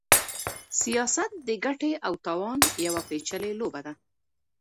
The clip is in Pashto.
سياست د ګټې او تاوان يوه پېچلې لوبه ده.